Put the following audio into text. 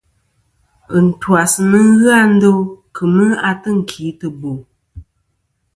Ɨntwas nɨn ghɨ a ndo kemɨ a tɨnkìtɨbo.